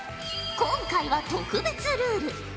今回は特別ルール。